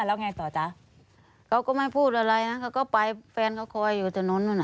แล้วไงต่อจ๊ะเขาก็ไม่พูดอะไรนะเขาก็ไปแฟนเขาคอยอยู่ถนนนู่นน่ะ